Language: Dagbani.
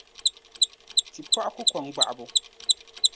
Tipɔɣu ku kɔŋ gbaɣibu.